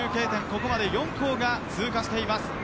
ここまで４校が通過しています。